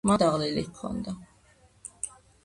ხმა დაღლილი ჰქონდა.